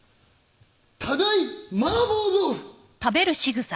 「ただいマーボー豆腐！」